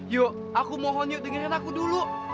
yuk aku mohon yuk dengarin aku dulu